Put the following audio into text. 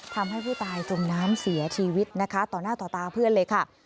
ทำให้ผู้ตายจมน้ำเสียชีวิตนะคะต่อหน้าต่อตาเพื่อนเลยค่ะ